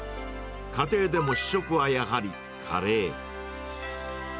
家庭でも主食はやはりカレー。